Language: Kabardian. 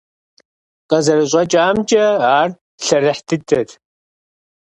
Къызэрыщӏэкӏамкӏэ, ар лъэрыхь дыдэт.